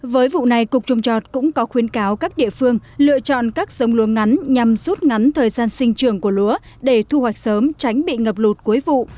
với vụ này cục trồng trọt cũng có khuyến cáo các địa phương lựa chọn các giống lúa ngắn nhằm rút ngắn thời gian sinh trường của lúa để thu hoạch sớm tránh bị ngập lụt cuối vụ